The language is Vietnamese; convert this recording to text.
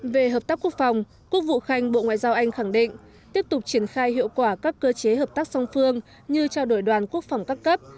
về hợp tác quốc phòng quốc vụ khanh bộ ngoại giao anh khẳng định tiếp tục triển khai hiệu quả các cơ chế hợp tác song phương như trao đổi đoàn quốc phòng các cấp